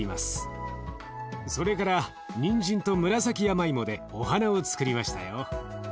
それからにんじんと紫やまいもでお花をつくりましたよ。